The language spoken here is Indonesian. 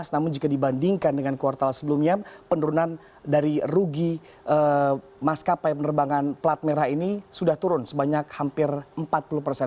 namun jika dibandingkan dengan kuartal sebelumnya penurunan dari rugi maskapai penerbangan plat merah ini sudah turun sebanyak hampir empat puluh persen